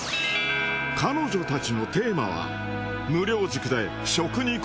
彼女たちのテーマは。